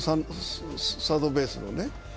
サードベースのね。